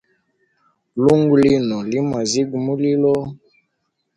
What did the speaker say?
Lungu lino li mwaziga mulilo.